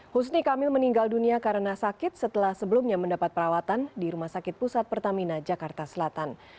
husni kamil meninggal dunia karena sakit setelah sebelumnya mendapat perawatan di rumah sakit pusat pertamina jakarta selatan